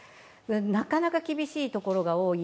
なかなか厳しいところが多い。